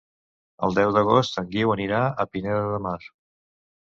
El deu d'agost en Guiu anirà a Pineda de Mar.